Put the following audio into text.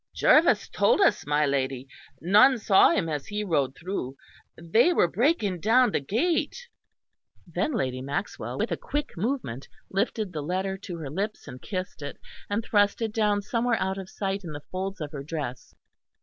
"Jervis told us, my lady; none saw him as he rode through they were breaking down the gate." Then Lady Maxwell, with a quick movement, lifted the letter to her lips and kissed it, and thrust it down somewhere out of sight in the folds of her dress.